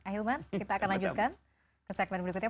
ah hilman kita akan lanjutkan ke segmen berikutnya